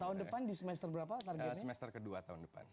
tahun depan di semester berapa targetnya semester ke dua tahun depan